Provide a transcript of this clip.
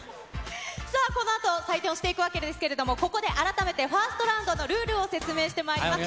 さあ、このあと採点をしていくわけですけれども、ここで改めて、ファーストラウンドのルールを説明してまいります。